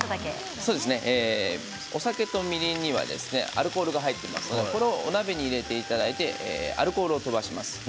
お酒とみりんはアルコールが入っていますのでお鍋に入れていただいてアルコールを飛ばします。